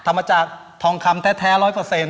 ทำมาจากทองคำแท้ร้อยเปอร์เซ็นต์